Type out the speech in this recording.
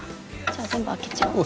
じゃあ全部開けちゃおう。